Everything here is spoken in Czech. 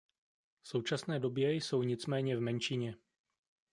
V současné době jsou nicméně v menšině.